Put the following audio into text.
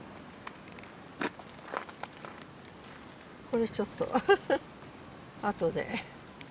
これちょっと後で。